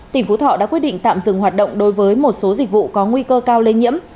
tỉnh phú thọ đã quyết định tạm dừng hoạt động đối với một số dịch vụ có nguy cơ cao lây nhiễm